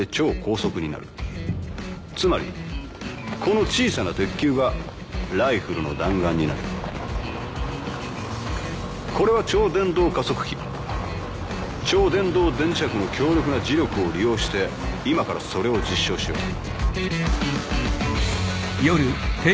つまりこの小さな鉄球がライフルの弾丸になるこれは超伝導加速器超伝導電磁石の強力な磁力を利用して今からそれを実証しよういく